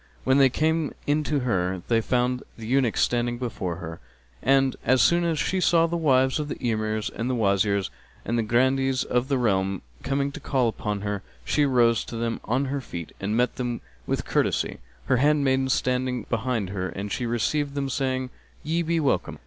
When they came in to her, they found the eunuchs standing before her; and, as soon as she saw the wives of the Emirs and Wazirs and Grandees of the realm coming to call upon her, she arose to them on her feet and met them with courtesy, her handmaidens standing behind her, and she received them saying, "Ye be welcome!"